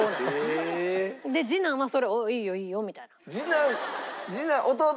えーっ！で次男はそれを「いいよいいよ」みたいな。